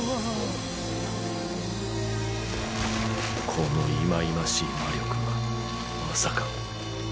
この忌々しい魔力はまさか。